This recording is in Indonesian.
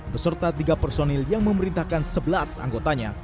beserta tiga personil yang memerintahkan sebelas anggotanya